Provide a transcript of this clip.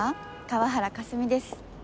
河原かすみです。